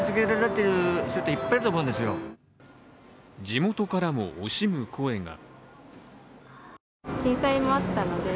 地元からも惜しむ声が。